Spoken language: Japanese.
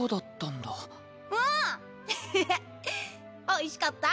おいしかった。